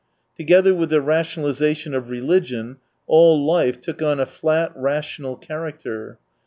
Together with the rationalisation of religion, all life took on a flat, rational character.